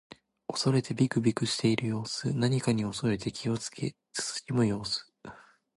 恐れてびくびくしている様子。何かに恐れて気をつけ慎む様子。